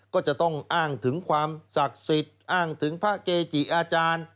ก็จะต้องอ้างถึงความศักดิ์สิทธิ์อ้างถึงพระเกจิอาจารย์